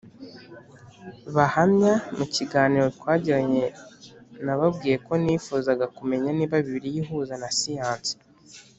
Bahamya mu kiganiro twagiranye nababwiye ko nifuzaga kumenya niba Bibiliya ihuza na siyansi